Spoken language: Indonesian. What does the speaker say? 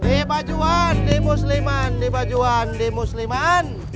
di bajuwan di musliman di bajuan di musliman